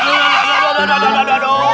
aduh aduh aduh aduh